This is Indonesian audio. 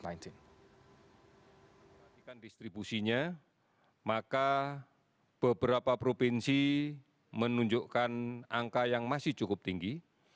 nantikan distribusinya maka beberapa provinsi menunjukkan angka yang masih cukup tinggi